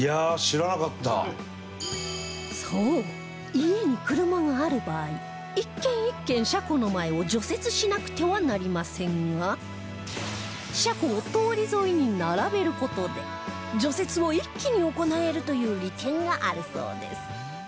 そう家に車がある場合１軒１軒車庫の前を除雪しなくてはなりませんが車庫を通り沿いに並べる事で除雪を一気に行えるという利点があるそうです